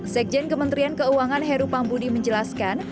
sekjen kementerian keuangan heru pambudi menjelaskan